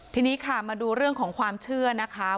ทีนี้ค่ะมาดูเรื่องของความเชื่อนะคะ